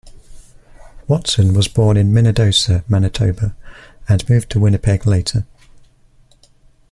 Watson was born in Minnedosa, Manitoba and moved to Winnipeg later.